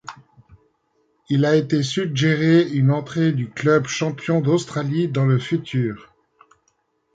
Il a été suggéré une entrée du club champion d'Australie dans le futur.